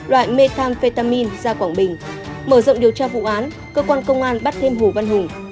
loại methamphetamin ra quảng bình mở rộng điều tra vụ án cơ quan công an bắt thêm hồ văn hùng